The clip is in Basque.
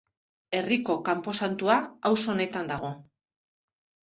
Herriko kanposantua auzo honetan dago.